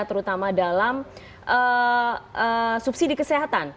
terutama dalam subsidi kesehatan